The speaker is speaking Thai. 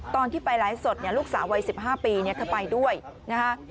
ตอนที่ไปไลฟ์สดเนี่ยลูกสาววัย๑๕ปีเธอไปด้วยนะคะ